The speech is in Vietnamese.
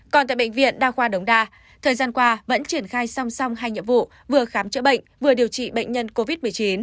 còn tại bệnh viện đa khoa đống đa thời gian qua vẫn triển khai song song hai nhiệm vụ vừa khám chữa bệnh vừa điều trị bệnh nhân covid một mươi chín